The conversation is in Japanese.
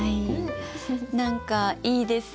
何かいいですね。